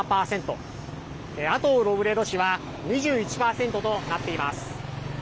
後を追うロブレド氏は２１％となっています。